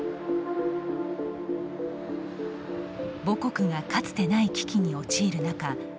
母国がかつてない危機に陥る中